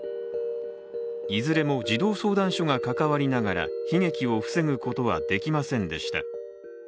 いずれも児童相談所が関わりながら悲劇を防ぐことはできませんでした。